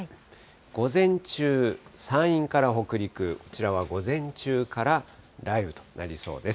午前中、山陰から北陸、こちらは午前中から雷雨となりそうです。